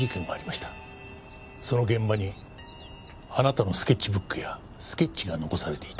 その現場にあなたのスケッチブックやスケッチが残されていた。